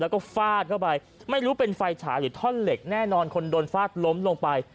แล้วก็ฟาดเข้าไปไม่รู้เป็นไฟฉายหรือท่อนเหล็กแน่นอนคนโดนฟาดล้มลงไป